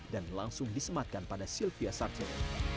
dan langsung disematkan pada sylvia sarcho